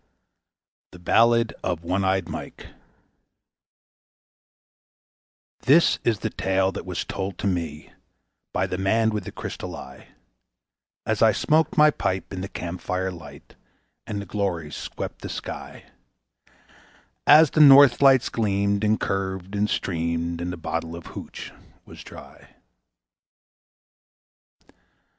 The Ballad of One Eyed Mike This is the tale that was told to me by the man with the crystal eye, As I smoked my pipe in the camp fire light, and the Glories swept the sky; As the Northlights gleamed and curved and streamed, and the bottle of "hooch" was dry.